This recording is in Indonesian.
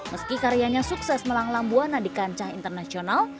meski karyanya sukses melang lang buana di kancah internasional